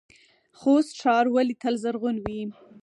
خوست ښار ولې تل زرغون وي؟